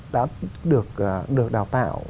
đã được đào tạo